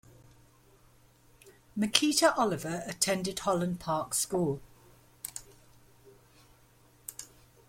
Miquita Oliver attended Holland Park School.